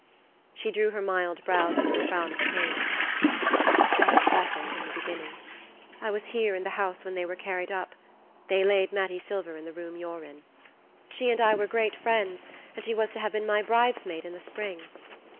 She drew her mild brows into a frown of pain. "It was just awful from the beginning. I was here in the house when they were carried up they laid Mattie Silver in the room you're in. She and I were great friends, and she was to have been my bridesmaid in the spring...